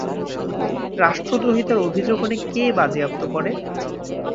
রাষ্ট্রদ্রোহীতার অভিযোগ এনে কে বাজেয়াপ্ত করে?